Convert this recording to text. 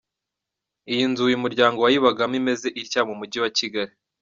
Iyi nzu uyu muryango wayibagamo imeze itya mu mujyi wa Kigali.